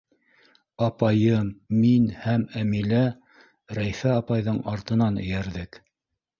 Апайым, мин һәм Әмилә Рәйфә апайҙың артынан эйәрҙек.